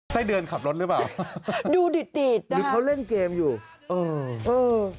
ไส้เดือนขับรถหรือเปล่าดูดีดดีดหรือเขาเล่นเกมอยู่เออเออ